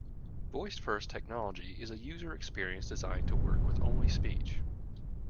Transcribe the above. Voice first technology is a user experience designed to work with only speech.